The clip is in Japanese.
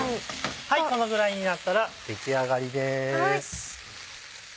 このぐらいになったら出来上がりです。